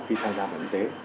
khi tham gia bảo hiểm y tế